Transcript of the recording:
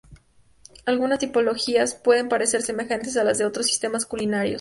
Algunas tipologías pueden parecer semejantes a las de otros sistemas culinarios.